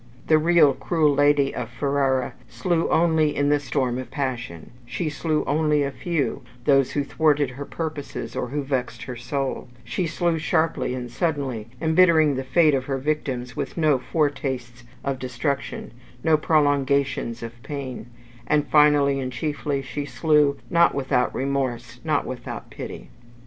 The cruel lady of Ferrara slew only in the strength of passion she slew only a few, those who thwarted her purposes or who vexed her soul; she slew sharply and suddenly, embittering the fate of her victims with no foretastes of destruction, no prolongations of pain; and, finally and chiefly, she slew, not without remorse, nor without pity.